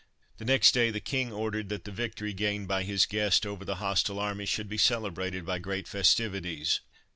The next day the king ordered that the victory gained by his guest over the hostile army should be celebrated by great festivities.